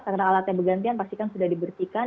karena alatnya bergantian pastikan sudah dibersihkan